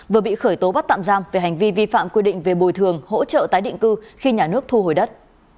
vừa bị khởi tố bắt tạm giam về hành vi vi phạm quy định về bồi thường hỗ trợ tái định cư khi nhà nước thu hồi đất